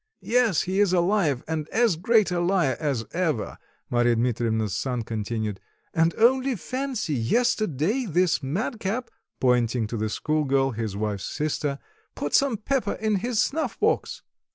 "Yes, he is alive, and as great a liar as ever," Marya Dmitrievna's son continued; "and only fancy, yesterday this madcap" pointing to the school girl, his wife's sister "put some pepper in his snuff box."